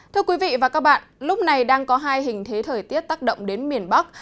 thưa quý vị và các bạn lúc này đang có hai hình thế thời tiết tác động đến miền bắc